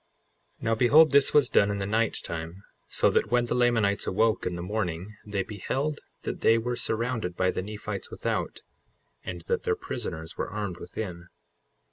55:22 Now behold this was done in the night time, so that when the Lamanites awoke in the morning they beheld that they were surrounded by the Nephites without, and that their prisoners were armed within.